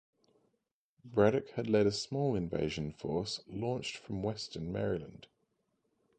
Braddock had led a small invasion force launched from western Maryland.